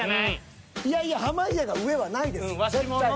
いやいや濱家が上はないですよ。